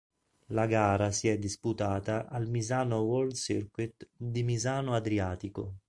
La gara si è disputata al Misano World Circuit di Misano Adriatico.